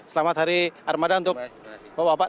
selamat hari armada untuk bapak bapak